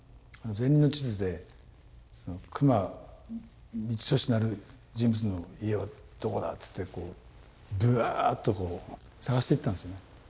ゼンリンの地図で久間三千年なる人物の家はどこだっつってこうぶわっとこう探していったんですよね。